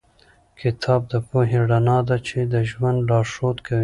کتاب د پوهې رڼا ده چې د ژوند لارښود کوي.